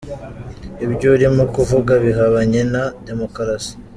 Ibyo urimo kuvuga bihabanye na demokarasi.